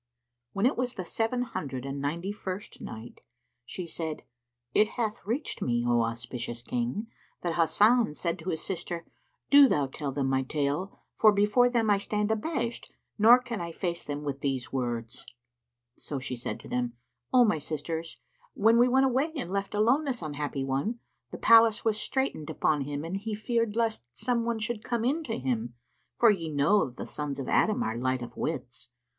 When it was the Seven Hundred and Ninety first Night, She said, It hath reached me, O auspicious King, that Hasan said to his sister, "Do thou tell them my tale, for before them I stand abashed nor can I face them with these words." So she said to them, "O my sisters, when we went away and left alone this unhappy one, the palace was straitened upon him and he feared lest some one should come in to him, for ye know that the sons of Adam are light of wits.